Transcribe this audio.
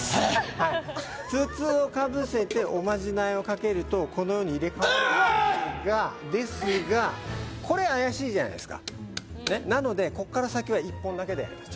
はい筒をかぶせておまじないをかけるとこのように入れ替わりますがですがこれ怪しいじゃないですかねっなのでこっから先は１本だけでやります